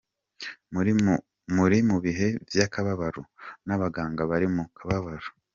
Muri mu bihe vy'akababaro n'abaganga bari mu kababaro.